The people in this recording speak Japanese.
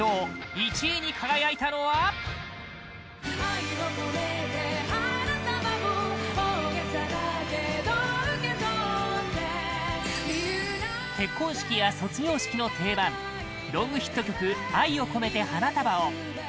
１位に輝いたのは結婚式や卒業式の定番ロングヒット曲「愛をこめて花束を」